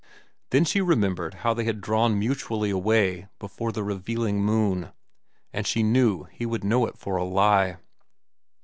Then she remembered how they had drawn mutually away before the revealing moon, and she knew he would know it for a lie.